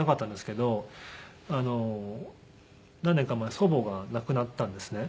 何年か前祖母が亡くなったんですね。